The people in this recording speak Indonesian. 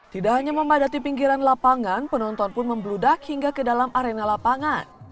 tidak hanya memadati pinggiran lapangan penonton pun membludak hingga ke dalam arena lapangan